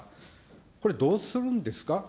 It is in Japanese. これ、どうするんですか。